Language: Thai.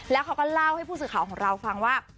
แล้วเขาก็เล่าให้ผู้สื่อข่าวของเราฟังว่า